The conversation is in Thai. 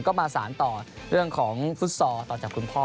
ก็มาสารต่อเรื่องของฟุตซอลต่อจากคุณพ่อ